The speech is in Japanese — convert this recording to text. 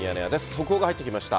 速報が入ってきました。